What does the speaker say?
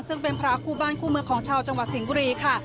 ซึ่งเป็นพระคู่บ้านคู่เมืองของชาวจังหวัดสิงห์บุรีค่ะ